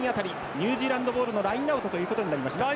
ニュージーランドボールのラインアウトとなりました。